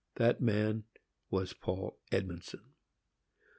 That man was Paul Edmondson.